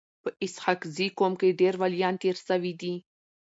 په اسحق زي قوم کي ډير وليان تیر سوي دي.